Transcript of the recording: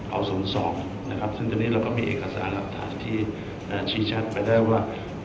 เอา๐๒นะครับซึ่งตอนนี้เราก็มีเอกสารหลักฐานที่ชี้ชัดไปได้ว่า